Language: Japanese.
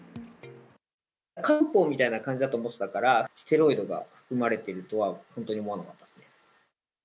漢方みたいな感じだと思ってたから、ステロイドが含まれているとは本当に思わなかったですね。